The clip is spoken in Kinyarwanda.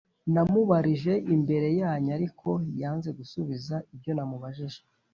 namubarije imbere yanyu ariko yanze gusubiza ibyo namubajije